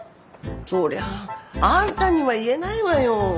そりゃあんたには言えないわよ。